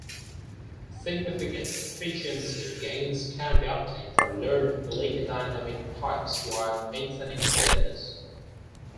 Significant efficiency gains can be obtained for large leaky dynamic pipes, while maintaining fairness.